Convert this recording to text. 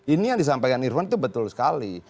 ini yang disampaikan irwan itu betul sekali